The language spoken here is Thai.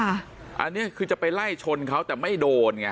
อันนี้คือจะไปไล่ชนเขาแต่ไม่โดนไง